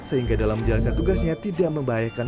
sehingga dalam menjalankan tugasnya tidak membahayakan